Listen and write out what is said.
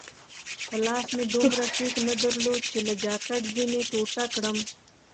په لاس مې دومره سېک نه درلود چي له جانکټ ځینې ټوټه کړم.